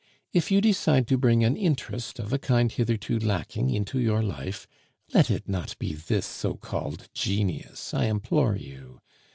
If you decide to bring an interest of a kind hitherto lacking into your life, let it not be this so called genius, I implore you.